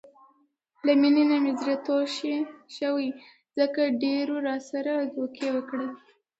له مینې نه مې زړه تور شوی، ځکه ډېرو راسره دوکې وکړلې.